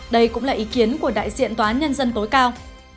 đây cũng là ý kiến của đại diện tòa án nhân dân tối cao